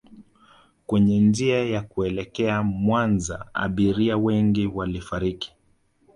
kwenye njia ya kuelekea Mwanza Abiria wengi walifariki